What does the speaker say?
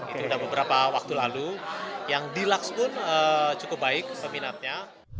itu sudah beberapa waktu lalu yang delux pun cukup baik peminatnya